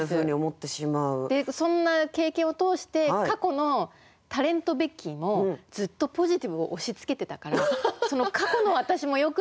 そんな経験を通して過去のタレントベッキーもずっとポジティブを押しつけてたからその過去の私もよくなかったなってすごく。